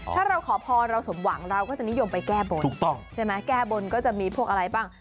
ถ้าเราขอพรเราสมหวังเราก็จะนิยมไปแก้บนถูกต้องใช่ไหมแก้บนก็จะมีพวกอะไรบ้าง